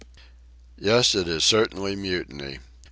Yes, it is certainly mutiny.